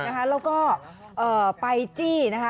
แล้วก็ไปจี้นะคะ